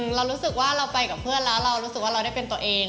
เรารู้สึกว่าเราไปกับเพื่อนแล้วเรารู้สึกว่าเราได้เป็นตัวเอง